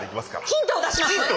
ヒントを出します。